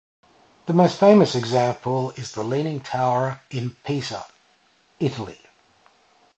The most famous example is the Leaning Tower in Pisa, Italy.